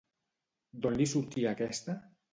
D'on li sortia aquesta?